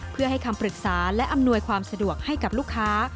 เพื่อให้คำปรึกษาและอำนวยความสะดวกให้กับลูกค้า